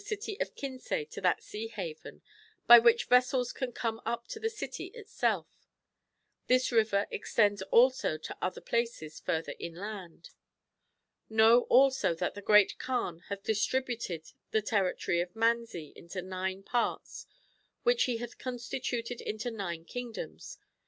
city of Kinsay to that sea haven, by which vessels can come up to the city itself. This river extends also to other places further inland.^ Know also that the Great Kaan hath distributed the territory of Manzi into nine parts, which he hath con stituted into nine kingdoms.